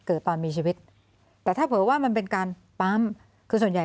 เกิดตอนมีชีวิตแต่ถ้าเผื่อว่ามันเป็นการปั๊มคือส่วนใหญ่